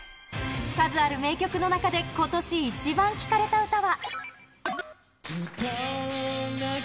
数ある名曲の中で、今年イチバン聴かれた歌は。